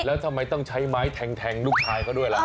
แล้วทำไมต้องใช้ไม้แทงลูกชายเขาด้วยล่ะ